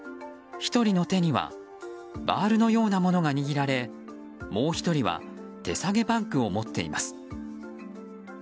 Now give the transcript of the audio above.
１人の手にはバールのようなものが握られもう１人は手提げバッグを持っています。